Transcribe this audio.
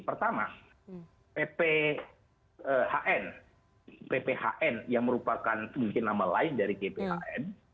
pertama pphn pphn yang merupakan mungkin nama lain dari gphn